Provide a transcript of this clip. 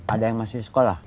ada yang masih sekolah